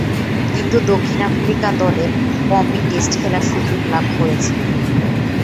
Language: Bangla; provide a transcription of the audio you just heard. কিন্তু, দক্ষিণ আফ্রিকা দলে খুব কমই টেস্ট খেলার সুযোগ লাভ করেছেন।